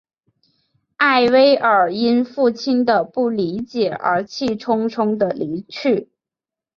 艾薇尔因父亲的不理解而气冲冲地离去。